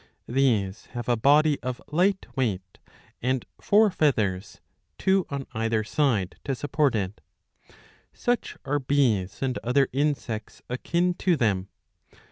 These have a body of light weight, and four feathers, two on either sidcj to support it. Such are bees and other insects akin to them.